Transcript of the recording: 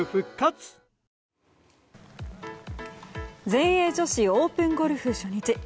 全英女子オープンゴルフ初日。